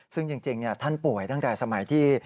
ซึ่งจริงท่านป่วยตั้งแต่สมัยที่